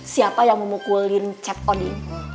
siapa yang memukulin chat oding